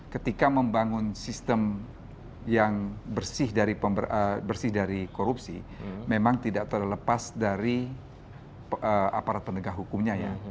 ketika membangun sistem yang bersih dari korupsi memang tidak terlepas dari aparat penegak hukumnya ya